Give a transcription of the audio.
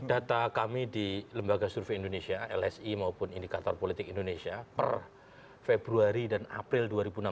data kami di lembaga survei indonesia lsi maupun indikator politik indonesia per februari dan april dua ribu enam belas